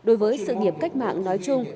đối với sự nghiệp cách mạng nói chung